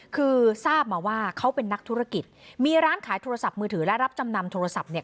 คือทราบมาว่าเขาเป็นนักธุรกิจมีร้านขายโทรศัพท์มือถือและรับจำนำโทรศัพท์เนี่ย